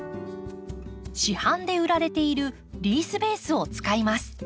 市販で売られているリースベースを使います。